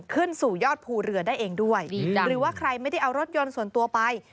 ขึ้นสู่ยอดภูเรือได้เองด้วยหรือว่าใครไม่ได้เอารถยนต์ส่วนตัวไป